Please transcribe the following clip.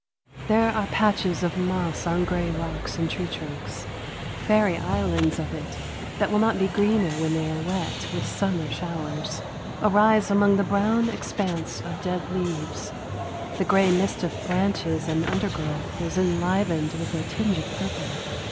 There are patches of moss on gray rocks and tree trunks. Fairy islands of it, that will not be greener when they are wet with summer showers, arise among the brown expanse of dead leaves. The gray mist of branches and undergrowth is enlivened with a tinge of purple.